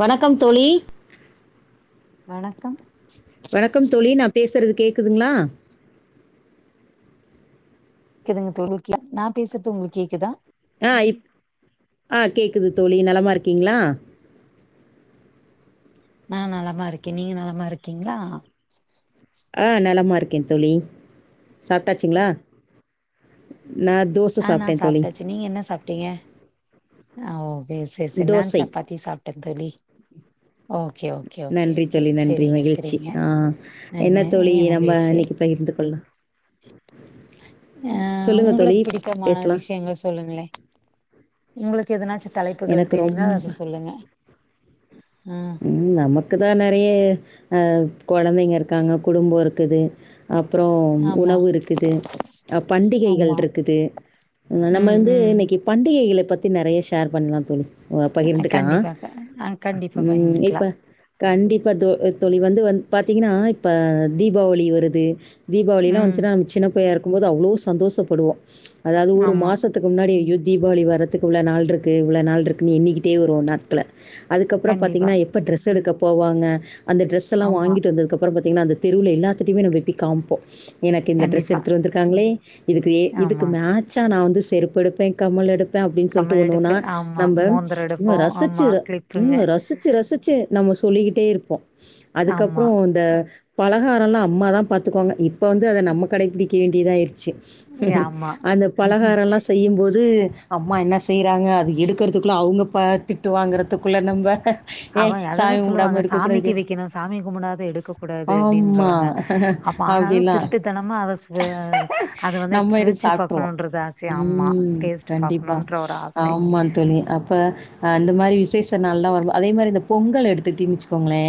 வணக்கம் தோழி வணக்கம் வணக்கம் தோழி நா பேசுறது கேக்குதுங்களா க்குதுங்க தோழி நா பேசுறது உங்களுக்கு கேக்குதா ஆ இப் ஆ கேக்குது தோழி நலமா இருக்கீங்களா நா நலமா இருக்கே நீங்க நலமா இருக்கீங்களா ஆ நலமா இருக்கே தோழி சாப்ட்டாச்சுங்களா ஆ நா சாப்ட்டாச்சு நீங்க என்ன சாப்ட்டீங்க ஆ ஓ சேரி சேரி சேரி நானு தோசை சப்பாத்தி சாப்ட்டே தோழி ஓகே ஓகே ஓகே நன்றி ஓகே தோழி நன்றி சேரிங்க மகிழ்ச்சி சேரிங்க ஆ என்ன தோழி இனிய நம்ம மகிழ்ச்சி இன்னைக்கு பகிர்ந்து கொள்ளலாம் அ சொல்லுங்க தோழி உங்ளுக்கு பிடித்தமான பேசலாம் விஷயங்கள் சொல்லுங்களே உங்ளுக் எதனாச்சும் தலைப்புகள் எனக்கு தெரிந்தா ரொம்ப அத சொல்லுங்க ஆ ம் நமக்குதா நெறைய அ கொழந்தைங்க இருக்காங்க குடும்பம் இருக்குது அப்றோ ஆமா உணவு இருக்குது பண்டிகைகள் ஆமா இருக்குது நம்ம ம் வந்து ம் இன்னைக்கி பண்டிகைகள பத் பத்தி நெறைய ஷேர் பண்ணலாம் தோழி ஓ பகிர்ந்துக்லா கண்டிப்பாக ஆ கண்டிப்பா ம் பகிர்ந்துக்கலா இப்ப கண்டிப்பா தோ தோழி வந்து வந் பாத்தீங்கன்னா இப்ப தீபாவளி வருது தீபாவளிலா ம் வந்துச்சுனா நம்ம சின்ன புள்ளயா இருக் பாக்கும்போது அவ்ளோ சந்தோஷப்படுவோம் அதாவது ஒரு ஆமா மாசத்துக்கு முன்னாடி ஐயோ தீபாவளி வரறதுக்கு இவ்ளோ நாள் இருக்கு இவ்ளோ நாள் இருக்குன்னு எண்ணிக்கிட்டே வரும் நாட்கல அதுக்கு கண்டிப்பா பாத்தீங்கனா எப்ப டிரெஸ் எடுக்கப் போவாங்க அந்த ட்ரெஸ் எல்லா ஆமா வாங்கிட்டு வந்ததுக்கப்ற பாத்தீங்கனா அந்த தெருல எல்லாத்திட்டையுமே நம்ம போய் காம்ப்போ எனக்கு இந்த ட்ரெஸ் கண்டிப்பா எடுத்துட்டு வந்துருக்காங்களே இதுக்கு இதுக்கு ஆமா மேட்சா நான் வந்து து செருப்பெடுப்பே கம்மல் எடுப் பே அப்டின்னு சொல்ட்டு கம்மல் ஒண்னோன்னா எடுப்பு ஆமா நம்ப மோந்தரம் எடுப்போ உ ஆமா ரசிச்சு கிளிப்புங்க ம் ரசிச்சு ச்சு நம்ம சொல்லிகிட்டே இருப்போ ஆமா அதுக்கப்பரோ இந்த பலகாரல்லா அம்மா தா பாத்துக்குவாங்க இப் இப்ப வந்து அத நம்ம கடைபிடி கே வேண்டியதாய்ர்ச் ச்சு ஆமா அந்த பலகாரல்லா செய்யும்போது அம்மா என்னஸ் செய்றாங்க அது எடுக்கறதுகுள்ள அவங்க ப திட்டு வாங்கறத்துக்குள்ள நம்ப ஏய் அவய் அததா சாமி கும்பிடாம சொல்லுவாங்க எடுக்கக்கூடாது. சாமிக்கு வைக்கணு சாமி கும்படாத எடுக்க கூடாது ஆமா அப்டின்றவாங்க அப்ப ஆனாலு அப்டிலா திருட்டுத்தனமா அத சுவ அத வந்து நம்ம எடுத்து சுவைச்சு சாப்ட்ருவோ பாக்கணுன்றது ஆசை ஆமா ம் டேஸ்ட்டு கண்டிப்பா பாக்கணுன்ற ஒரு ஆசை ஆமா பேச நாள்லா வருவா அதே மாரி இந்த பொங்கல் எடுத்துகிட்டீன்னு வச்சு கோங்களே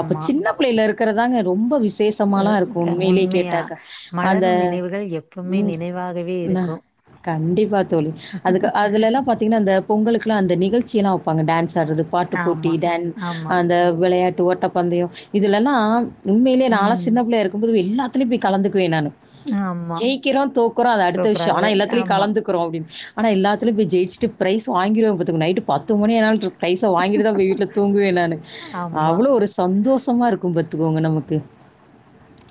அப்ப சின்ன புள்ளைல இருக் இருக்கறதாங்க ரொம்ப விஷ் அ தேசமாலா இருக்கூ க உண்மையிலே உண்மையா கேட்டாக்கா அந்த மலரும் நினைவுகள் எப்பவுமே ம் நினைவாகவே ந இருக்கு கண்டிப்பா தோழி அதுக்கு அதுல எல்லா பாத்தீங்கன்னா அந்த பொங்களுக்கெல்லா அந்த நிகழ்ச்சி எல்லா வப்பாங்க டான்ஸ் தறது பாட்டுப் பூட்டி ஆமா டன் ஆமா அந்த விளையாட் ட்டு ஓட்ட பந்தயோ இதுலெல்லா உண்மையிலேயே நா எல்லா ம் சின்ன பிள்ளையா இருக்கும்போது எல்லாத் த்திலிபி கலந்துக்குவே நானு ஆமா ச் ஜெய்க்கிறோ தோக்குறோ அது அடுத்த விஷ்யோ தூக்குறாரு ஆனா எல்லாத்துலயு ஆமா கலந்துக்குறோ அப்டின்னு ஆனா எல்லாத்தலயு போய் ஜெயிச்சுட்டு பிரைஸ் வாங்கிர்வ பாத் து நைட்டு பத்து மணியானாலு பிரைச வாங்கிட்டுதா வீட்ல தூங்குவே நானு ஆமா அவ்வளோ ஒரு சந்தோஷ த்தமா இருக்கூ பத்துக்கோங்க நமக்கு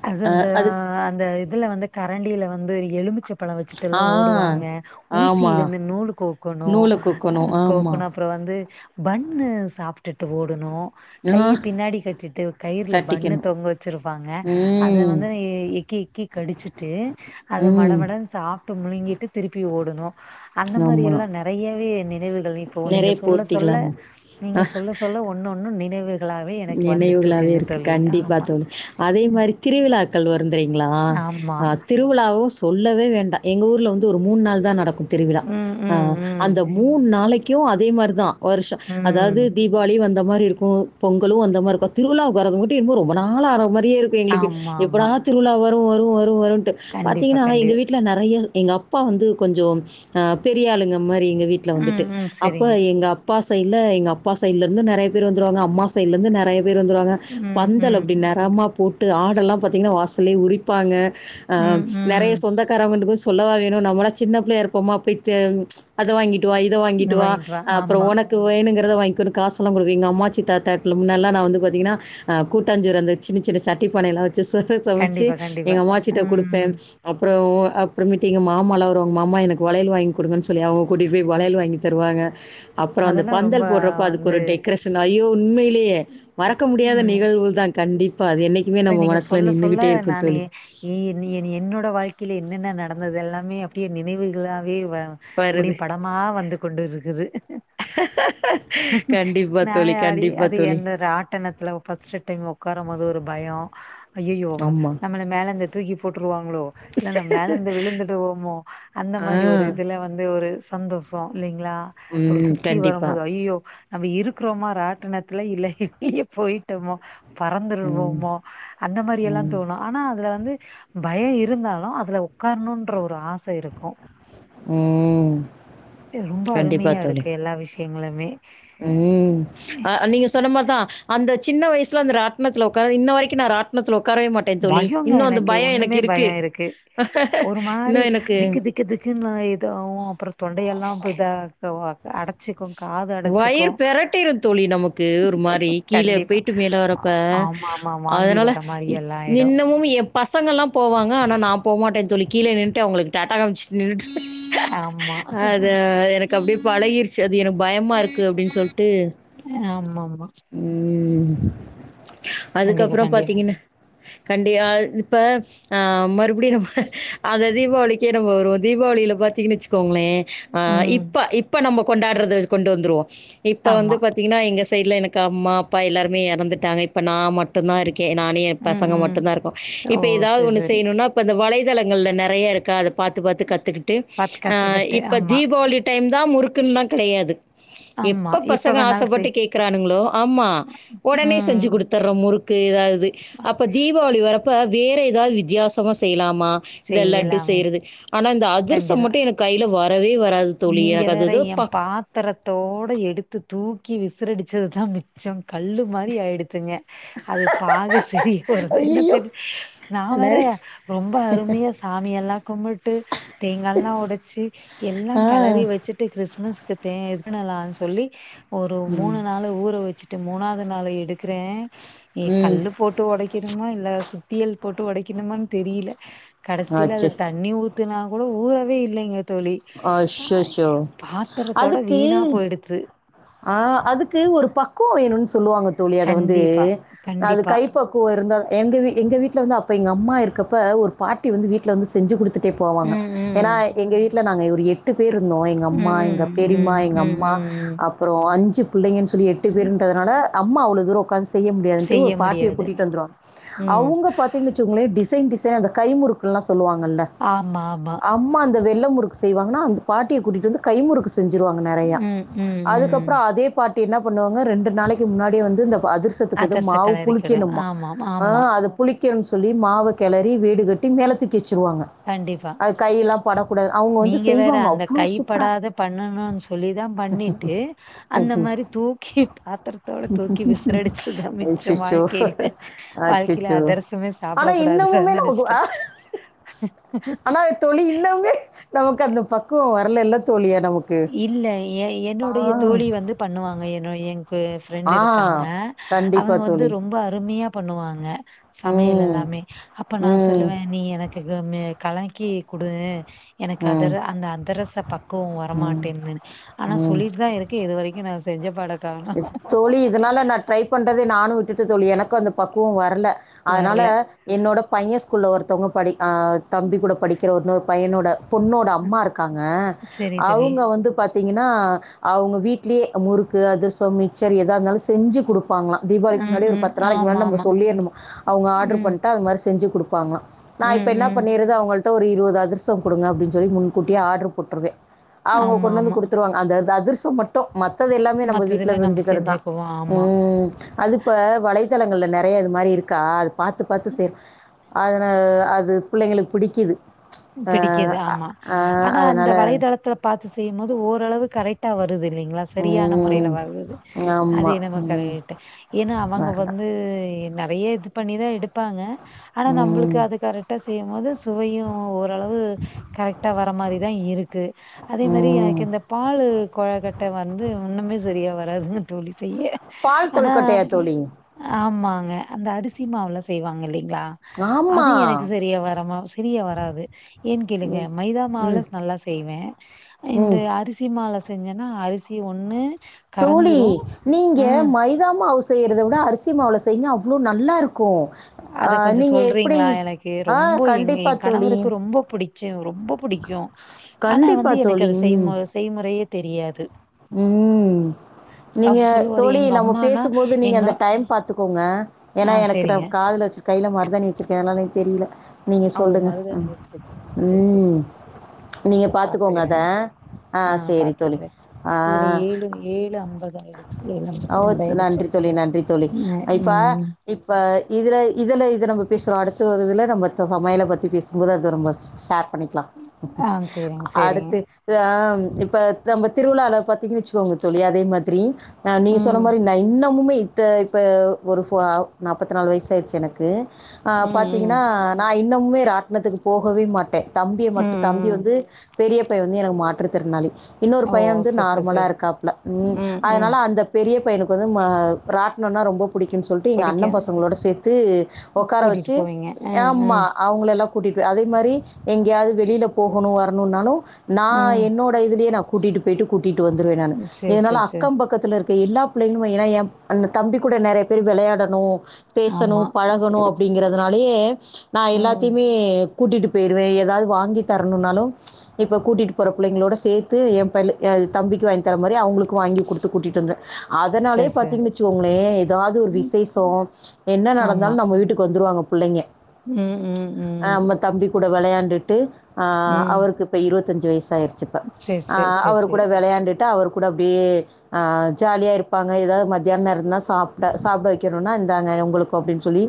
அது அ அந்த அது அந்த இதுல வந்து கரண்டில வந்து ந்து எலுமிச்ச ப்பழம் வச்சுட்டு எல்லா ஆ. ஓடுவாங்க ஊசி ஆமா. வந்து நூலு கோக்கணு நூல அ கோக்கணும். ஆமா. கோக்கணு அப்புற வந்து பண்ணு சாப்டுட்டு ஓடுணு ஆ கைய பின்னாடி கட்டிட்டு கயிறுல பண்ணு தட்டிக்கணும். தொங்க வச்சிருப்பாங்க அத ம். வந்து எ எக்கி எக்கி கடிச்சிட்டு அத மட ம். மட சாப் டு முழுங்கிட்டு திருப்பி ஓடுணு அந்த மாரி ஆமா. ம். எல்லா நறையாவே நினைவுகள் இப்போ நீங்க நெறைய சொல்ல சொல்ல போட்டிகளாமா. நீங்க சொல்ல சொல்ல ஒன்னு ஒன்னு நி னைவு கிலாவே எனக்கு வந்துட்டு நினைவுகளாவே இருக்குங்க இருக்கு. தோழி கண்டிப்பா ஆமா தோழி. அதே மாரி திருவிழாக்கள் வருந் தெரியுங்களா ஆமா அ திருவிழாவு சொல்லவே வேண்டா எங்க ஊர்ல வந்து ஒரு மூண் நாள் தா நடக்கும் திருவிழா ம் அ ம் அந்த ம் மூண் நாளைக் கியூ அதே மாரிதா வருஷ ம் அதாவ்து தீபாளி வந்தா மாரி இருக்கு பொங்களு அந்த மாரி இருக்கோ திருவிழாக்கு வரவங்ககிட்ட இன்மொ ரொம்ப நாள் ஆனா மாரியே இருக்கு எங்களுக்கு ஆமா ஆமா எப்படா திருவிழா வரு வரு வரு வரு ன்டு கண்டிப்பா பாத்தீங்னா கண்டி எங்க வீட்ல நறைய எங்க அப்பா வந்து கொஞ்சோ ஆஹ் பெரியாளுங்க மாரி எங்க வீட்ல ம் வந்துட்டு ம் அப்போ சரிங்க. எங்க அப் அப்பா சைடல எங்க அப்பா சைடல இருந்து நறைய பேர் வந்துருவாங்க அம்மா சைடல இருந்து நறைய பேர் வந்துருவாங்க ம் பந்தல் ம் அப்டி நெரமா போ ட்டு ஆடெல்லா பாத்திங்னா வாசலே உரிப்பாங்க ஆ ம் நறைய ம் சொந்தக்காரங்க [unintelligible] சொல்லவா வேணு நம்மள சின்ன பிள்ளைய இருபோமா அப்டி தே அத வாங்கி ட்டு வா இத வாங்கிட்டு வா அப்றோ உனக்கு வேணுங்க அத வாங்கோனு காசெல்லா குடுங்க எங்க அமாச்சி தாத்தா முன்னல்ல நா வந்து பாத்தீங்னா கூட்டாஞ் சோறு அந்த சின்ன சின்ன சட்டி பானையல வச்சு சோறு சமைச்சு கண்டிப்பா எங்க கண்டிப்பா. அம்மாச்சிட்ட குடுப்பே ம் அப் அப்றோ அப்றமேட்டு எங்க மாமாலா வருவாங் மாமா எனக்கு வளையல் வாங்கி குடுங்கன்னு சொல்லி அவங் கூட்டிட்டு போய் வளையல் வாங்கி தருவாங்க அப்றோ அந்த அதெல்லாம் ரொம்ப பந்தல் போடுறப்ப அதுக்கு வந்து ஒரு டெக்ரேஷன் னா ஐயோ உண்மை லியே மறக்க முடியாத ம் நிகழ்வு தா கண்டி அத நீங்க சொல்ல சொல்ல நானே தோழி எ எண்ணி எண்ணி என்னோட வாழ்க்கைலே என்ன நடந்தது எல்லாமே அப்டியே நினைவுகளா வே வா அப்டியே வருது படமா வந்து கொண்டு இருக்குது கண்டிப்பா தோழி நானே ஆடி கண்டிப்பா அது தோழி எந்த ராட்டணத்துல ஃபர்ஸ்ட் டைம் உட்காரு போது ஒரு ஆ ஐ ஐயோங்க ஆமா நம்மள மேல அந்த தூக்கி போட்டு வாங்களோ இல்ல மேல விழுந்துடுவோமோ. அந்த ஆ மாரி ஒரு இதுல வந்து ஒரு சந்தோஷம் இல்லைங்க. லா அப்படி ம் சுத்தி கண்டிப்பா வரும்போது ஐ ஐயோ நம்ம இருக்கிறோமா. ராட்டனத்துல இல்ல வெளியே போயிட்டோமா. ம் பறந்துடுவோம். அந்த மாரி எல்லாம் ம் தோணும். ஆனா அதுல வந்து பயம் இருந்தாலும் அதுல உட்காரணுன்ற ஒரு ஆசை உம் ரொம்ப அருமையா இருக்கு எல்லா விஷயம். எங்களமே உம் அஹ் நீங்க சொன்னமாத. அந்த சின்ன வயசுல அந்தராட்டணத்துல உ இன்ன வரைக்கும் நான் ராட்த்துல பயங்க எனக்கு ஒண்ணுமே பயம் இருக்கு. ஒரு மாதிரி இன்னும் எனக்கு திக்கு திக்கு திக்குன்னு இதவும் அப்புறம் தொண்டையெல்லாம் இதா அடைச்சிக்கும். வயிற பெரட்டிர தோழி நமக்கு ஒரு மாரி கீழே கண்டிப்பா. போயிட்டு மேலே வரப்ப ஆமா, ஆமா. வாந்தி அதனால வர மாரி எல்லாம் ஆயிடும். இன்னமும் எம்பசங்கள்லாம் போவாங்க. நா போ மாட்டேன் தோழி கீழே நின்ட்டு அவளுக்கு டாட் [unintelligible] ஆமா. அது எனக்கு அப்படியே பழகிருச்சு. அது எனக்கு ம்மா இருக்கு அப்படின்னு சொல்லிட்டு ஆமாமா. உம் கண்டிப்பா, அதுக்கப்புறம் கண்டிப்பா. பாத்தீங்கன்னா. கண்டி இப்ப ஆஹ் மறுபடியும் நம்ம அத தீபாவளிக்கே நம்ம வரும்வோம். தீபாவளில பாத்தீங்க வெச்சுக்கோங்க லே அ ம். இப்ப இப்ப நம்ம கொண்டாடுறது, கொண்டு வந்துருவ இப்ப வந்து ஆமா. பாத்தீங்கன்னா. எங்க ஸ் சைடல எனக்கு அம்மா அப்பா எல்லாருமே இறந்துட்டாங்க. இப்ப நான் மட்டும்தா இருக்க க்கே நானே ம், பசங்க ம். மட்டும்தா இருக்கோம். ஓ! இப்ப ஏதாவது சரி, ஒன்னு சரி. செய்யணும்னா கொஞ்ச வலை பித்தலங்கள்ல நெறயா இருக்கா அத பாத்து பாத்து கத்துக்கிட்டு பாத்து கத்துக்கிட்டு. இப்ப ஆமா, தீபாவளி டைம் தா முறுக்குன்னல்லா கெடையாது. ஆமா. எப்ப பசங்க வேணாலும் ஆசைப்பட்டு செய் கேக்குறானுங்களோ ஆமா உடனே ம். செஞ்சு குடுத்தர்றோ முறுக் கிதாது து அப்ப தீபாவளி வரப் இப்ப வேற எதாவது வித்தியாசமா செய்யலாம் மா இந்த லட்டு செய்யலாமே. செய்யறது ஆனா இந்த அதிரசம் கண்டிப்பா. மட்டு எனக்கு கைல வ வரவே வ நீங்க வேற என் பாத்திரத் தோட எடுத்து தூக்கி விசிறடிச்சதுதா மிச் சம் கல்லு மாரி ஆயிடுத்துங்க அது பாகு சரியா வருது என்ன ஐயய்யோ! தெரில நா வேற நெறைஸ் ரொம்ப அருமையா சாமியெல்லா கும்பிட்டு தேங்கா எல்லா உடச்சு எல்லா ஆ. கிளறி வெச்சுட்டு கிறிஸ்மஸ்க்கு தே இது பண்ணலான்னு சொல்லி [unintelligible] ஒரு ம். மூணு நாள் ஊற வெச்சு ட்டு மூணாவது நாள் எடுக்கிறே ஏ ம். கல்லு போட்டு உடைக்கனு மா இல்ல சுத்தியல் போட்டு உடைக்கணுமானு தெரியல கடைசியில அது ஆச்சே! தண்ணி ஊ துனா கூட ஊறவே இல்லைங்க தோழி ஆஹ் அச்சச்சோ! பாத்திரத்தோட வீணா போயிடுது ஆஹ் அதுக்கு ஒரு பக்குவ வேணு சொல்லுவாங்க தோழி அத வந்து கண்டிப்பா அது கண்டிப்பா கைப்பக்குவ இருந்தா எங்க வீட்ல எங்க வீட்டில் வந்து அப்போ எங்க அம்மா இருக்கப்ப ஒரு பாட்டி வந்து வீட்டில் வந்து செஞ்சு குடுத்து டே போவாங்க ம் ம் ஏனா எங்க வீட்ல நாங்க எட்டு பேர் இருந்தோ எங்க அம்மா ம் எங்க ம் பெரிமா ம் எங்க ம் அம்மா ம் அப்புறோ அஞ்சு பிள்ளைங்கன்னு சொல்லி எட்டு செ பேருன்றனால அம்மா அவ்ளோ தூரோ உக்கான்ஸ் செய்ய முடியாதுன்டு செய்ய ஒரு பாட்டிய முடியாது கூட்டிட்டு வந்துருவாங்க ம் அவுங்க பாத்தீங்வச்சுகங்களே டிசைன்டிசைனா அந்த கைமுறுக்குக்க எல்லா சொல்லுவாங்கல்ல ஆமா ஆமா அம்மா அந்த வெள் முறுக்கு செய்வாங்கான அந்த பாட்டியை கூட்டிட்டு வந்து கைமுறுக்கு செஞ்சுருவாங்க நெறையா ம் ம் ம் அதுக்கப்புறோ அதே பா பாட்டி என்ன பண்ணுவாங்க ரெண்டு நாளைக்கு முன்னாடியே வந்து இந்த அதிர்சத்துக்கு வந்து அதர்ச மாவு கலரிக்கடு புளிக்கணுமா ஆமாம் உ ஆமா அத புளிக் புளிக்கன்னு சொல்லி மாவு கிளரி வீடு கட்டி [unintelligible] வச்சருவாங்க கண்டிப்பா அது கையெல்லா படக்கூடா நீங்க வேற அந்த கைப்படாத பண்ணணும்னு சொல்லிதான் பண்ணி ட்டு அந்த மாதிரி தூக்கி பாத்திரத்தோட தூக்கி விசிரடிச்சதுதான் மிச்சம் அச்சிச்சோ வாழ்க்கையில வாழ்க்கையில அச்சிச்சோ அதர்சமே சாப்பிட ஆனால் இன்னமுமே கூடாதுடானு நமக்கு நினைச்சிட்டேன் ஆனால் தோழி இன்னமுமே நமக்கு அந்த பக்குவம் வரலைல்ல தோழி இல்ல ஏ என்னுடைய தோழி வந்து பண்ணுவாங்க என்னோ என் க்கு ஃபிரெண்ட் ஆ இருக்காங்க கண்டிப்பா அவங்க வந்து தோழி ரொம்ப அருமையா பண்ணுவாங்க சமையல் ம் எல்லாமே அப்ப நான் ம் சொல்லுவேன் நீ எனக்கு [unintelligible] கலக்கி குடு எனக்கு ம் அதர அந்த அதரச பக்குவம் ம் வரமாட் ந்துன்னு ஆனா ம் சொல்லிட்டு தான் இருக்கு இது வரைக்கும் நான் செஞ்ச பாட காணோம். தோழி இதனால நான் ட்ரை பண்றதே நானும் விட்டு த்து தோழி எனக்கும் அந்த பக்குவம் வரல அதனால வரல. என்னோட பையன் ஸ்கூல்ல ஒருத் தொங்கப்படி ஆ ம். தம்பி கூட படிக்கிற இன்னொரு பயனுட பொண்ணோட அம்மா இருக்காங்க சரி தோழி. அவங்க வந்து பாத் பாதிங்கன்னா அவங்க வீட்லயே முறுக்கு அதிரசம் சம் மிச்சர் எதா இருந்தாலும் செஞ்சு குடு குடுப்பாங்களாம் தீபாவளிக்கு ம், முன்னாடியே ஒரு ம். பத்து நாளைக்கு ஆமா, முன்னாடியே நம்ம ஆமா. சொல்லிரணுமா அவங்க ஆட்ரு ம், பண்ட அதுமாரி செஞ்சி குடுப்பாங்களாம் நான் இப்ப ம், என்ன ம். பண்ணிரது அவங்கள்ட ட்ட ஒரு இருபது அதிரசம் குடுங்க அப்பிடின்னு சொல்லி முன்கூட்டியே ஆட்ரு போட்டுருவேன் அவங்க ஆமா, கொண்டு வந்து ஆமா. குடுத்துருவாங்க அந்த அதிரசம் மட் டும் மத்தது எல்லாமே நம்ம வீட் மத்ததுல நம்ம செஞ்சுக்கிறது தான் செஞ்சுக்குவோம். உ ஆமா. அதுப்ப வலைத்தளங்கள்ல நிறைய மாதிரி இருக்கா அது பார்த்து பார்த்து சேரும் [unintelligible] அது பிள்ளைங்களுக்குப் பிடிக்குது அஹ் பிடிக்குது அ- ஆமா அஹ் ஆனா அந்த அதனால வலைதளத்துல பார்த்து செய்யும் போது ஓரளவு கரைட் ட்டா வரு து இல்லங்களா சரியான முறையில வருது அதே ஆமாம் நம ம் கரேட்டு ஏன்னா அவங்க வரல வந்து என் நெறைய இது பண்ணிதா எடுப்பாங்க ஆனா ம் நம்மளுக்கு அது கரெக்ட்டா செய்யும் போது சுவையும் அ ஓரளவு கரெகட்டா வர மாதிரிதா இருக்கு அதே மாரி எனக்கு ம் இந்த பால் கொழக்கட்டை வந்து இன்னுமே சரியா வர [unintelligible] தோழி செய்ய பால் ஆனா கொல்கட்டையா தோழி ஆமா ங்க அந்த அரிசி மாவுல செய்வாங்க இல் ல்லா அது ஆமாம் எனக்கு சரியா வரமா செரியா வராது து ஏன்னு கேளுங்க மைதா மால ம் ஸ் நல்லா செய்வே இந்த ம் அரிசி மால ச செஞ்சன்னா அரிசி ஒண்ணு தோழி கரைஞ்சிரும். நீங்க ம். மைதா மாவு செ ல செய்றதை விட அரிசி மாவுல செய்யங்க அவ்வளோ நல்லாயிருக்கும் அதக் கொஞ்சம் சொல்றீங்களா எனக்கு ஆ ரொம்ப எங்க என் கண்டிப்பாக தோழி கணவருக்கு ரொம்ப புடிச்ச ரொம்ப புடிக்கும் ஆனா வந்து கண்டிப்பாக எனக்கு தோழி அத செய்மு- செய்முறையே தெரியாது உம் நீங்க அவரு சொல்லுவாரு தோழி எங்க நம்ம அம்மானா பேசும்போது நீங்க எங்க அந்த டைம் பாத்துக்கோங்க ஏன்னா ஆ எனக்கு நா சரிங்க. காதுல வச்சிருக்க கை கைல மருதாணி வச்சிருக்கன் அதனால எனக்கு தெரியல நீங்கள் ஓ சொல்லுங்கள் மருதாணி ம் வச்சிருக்கீங்க செரி செரி ம் செரி இத நீங்கள் பார்த்துக்கோங்க அதை பாத்துக்கறேன் ஆ ஆஹ் சரி தோழி பாத்துக்கறேன் இதுல ஏழு - ஏழு அம்ப ஓக் நன்றி தோழி நன்றி தோழி ம். இப்ப- ம். இப்ப இதுல இதுல இது நம்ம பேசற அடுத்து வருதுல நம்ம சமையல பத்தி பேசும்போது அது ரொம்ப ஷார் பண்ணிக்கலாம் ஆ சரிங்க, சரிங்க. அடுத்து [unintelligible] இப்ப த நம்ம திருவிழாவை பாத்தீங்கன்னு வச்சுக்கோங்க தோழி அதே மாரி பீ நா நீங்க சொன்ன ம். மாரி நா இன்னமுமே இத்த இப்போ ஒரு ஃபோ நாப்பத்தி நாலு வயசாயிடுச்சு எனக்கு ஆ ம், ம். பாத்தீங்கன்னா நா இன்னமுமே ராட்டனத்துக்கு போகவே மாட்டே தம்பியை மட்டு ம், தம்பி ம். வந்து பெரிய பைய வந்து எனக்கு மாற்றுதி திறனாளி இன்னொரு ஓ பைய வந்து செர் செர் நார்மலா செர் இருக்காப்புல உம் ம் ம் அதனால அந்த பெரிய பெரிய பையனுக்கு வந்து ம் ராட்டனோனா ரொம்ப பிடிக்குனு சொல்லிட்டு எங்க படிக்க அண்ண பசங்களோட சேத்து உக்கார கூட்டிட்டு வெச்சு போவீங்க அ அ ஆம்மா அவங்கள எல்லா கூட்டிட்டு அதே மாரி எங்கேயாவது வெளில போகணும் வரணும்னாலு நா ம் என்னோட இதுலயே நா கூட்டிட்டு போய்ட்டு கூட்டிட்டு வந்துருவே நானு சேர் இதனால சேர் சேர் அ பக்கத்துல இருக்க எல்லா பிள்ளைகளும் ஏன்னா அந்த தம்பி கூட நெறைய பேர் வெளையாடணு பேசணு ஆமா பழகணு அப்படிங்கறதுனாலயே நா ம் எல்லாத்தையுமே கூட்டிகிட்டு போய்றுவே. எதாவது வாங்கி தரணுனாலு இப்ப கூட்டிட்டு போற பிள்ளைங்களோட சேத்து என் பய தம்பிக்கும் வாங்கி தர மாரி அவங்களுக்கு குடுத்து கூட்டிட்டு வந்தே அதனாலயே சேர் சேர் பாத்திங்கன்னு வெச்சுக்கோச்ங்களே ஏதாவது ஒரு ம் விசேஷோ என்ன நடந்தாலு நம்ம வீட்டுக்கு வந்துருவாங்க புள்ளைங்க உம் உம் உம் கூட விளையாண்டுட்டு ஆ அவருக்கு இப்ப இருபத்தி அஞ்சி வயசாயாயி சச்சு இப்ப சேர் ஆ சேர் சேர் அவர் கூட சேரி வெளையாண்டுட்டு அவரு கூட அப்டியே ஆ ஜாலியா இருப்பாங்க, ஏதாவது மத்தியானோ நேரம்னா சாப்ட சாப்ட வைக்கணும்ன்னா இந்தாங்க உங்களுக்கும் அப்படின்னு சொல்லி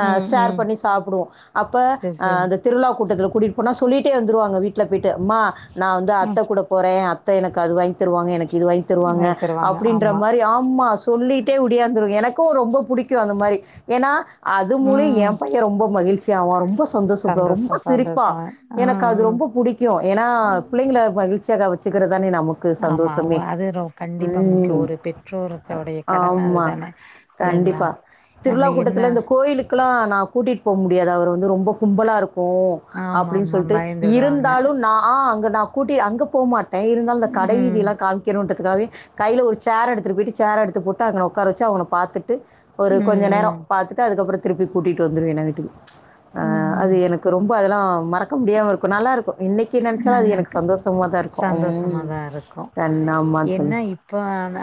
அ ம் ஷேர் ம் பண்ணி சாப்டுவோ அப்ப சேர் அ சேர் அந்த திருவிழா கூட்டத்துல கூட்டிட்டு போனா சொல்லிட்டே வந்துருவாங்க வீட்டுல போய்ட்டு அம்மா நா வந்து ம் அத்தே கூட போறே அத்தே எனக்கு அது வாங்கிதருவாங்க எனக்கு இது வாங்கிதருவாங்க வாங்கி தருவாங்க அப்படின்ற ஆமா மாரி ஆமா சொல்லிட்டே ஒடியாந்துரு எனக்கு எனக்கும் ரொம்ப புடிக்கும் அந்த மாறி ஏன்னா அது மூலம் ம் என் பையன் ரொம்ப மகிழ்ச் அவ ரொம்ப சந்தோஷப்படுவான். சந்தோஷோ ரொம்ப சந்தோஷோ சிரிப்பான். எனக்கு ம் அது ம் ரொம்ப புடிக்கும். ஏன்னா பிள்ளைங்கள மகி ச்சக்க வச்சுக்கிறது அ தானே நமக்கு சந்தோஷமே இப்ப முக்கிய ம் ஒரு பெற்றோர்களுடைய கடம ஆமா. அதுதானே இல்லைங்களா கண்டிப்பா. நம்ம என்ன ல்லாம் நா கூட்டிட்டு போக முடியாது அவர் வந்து ரொம்ப கும்பலா இருக்கும் ஆமா அப்படின்னு ஆமா சொல்லிட்டு பயந்துடுவாங்க இருந்தாலும் நா அங்க நா கூட்டி அங்கே போமா தய இருந்தால் அந்த ம் கடைவீதில்ல காமிக்கிறோம்ன்ற க்கவே கையில ஒரு சேர் எடுத்துட்டு போயிட்டு சேர் எடுத்து போட்டுங்க உக்கார வச்சு அவனை பார்த்துட்டு ஒரு கொஞ்ச நேரம் ம் பார்த்தட்டு அதுக்கப்புறம் திருப்பி கூட்டிகிட்டு வந்துடும் என வீட்டுக்கு ம் ஆஹ் அது ம் எனக்கு ரொம்ப அதெல்லாம் மறக்க முடியாம இருக்கும் நல்லா இருக்கும் இன்னைக்கு நினைச்சாலும் அது எனக்கு நல்லாருக்கு சந்தோஷமாதா இருக்கும் உம் சந்தோஷமாதா இருக்கு தன்ன ஆமான் என்ன தோழி இப்ப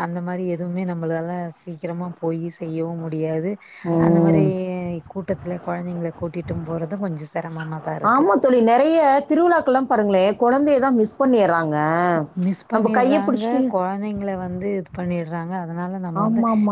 அந்த மாதிரி எது நம்மாளால்ல சீக்கிரமா போய் செய்யவும் முடியாது அந்த மாதிரி ம். கூட்டத்துல குழந்தைங்க கூட்டிட்டும் போறதும் கொஞ்சம் சிரமமாதா இருக்கு பாருங்களே குழந்தை தா மிஸ் பண்ணிடுறாங்க மிஸ் நம்ம கையை பண்ணிடுறாங்க பிடிச்சிட்டு குழந்தைங்க வந்து இது பண்ணடு ரங்கா அதனால நம்ம வந்து ஆமா ஆமா